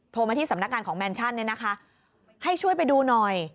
โทรมาที่สำนักงานของแมนชั่นให้ช่วยไปดูหน่อย